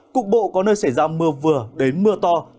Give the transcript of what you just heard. cục bộ có nơi xảy ra mưa vừa đến mưa to